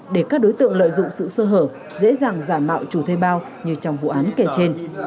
để các đối tượng lợi dụng sự sơ hở dễ dàng giả mạo chủ thuê bao như trong vụ án kể trên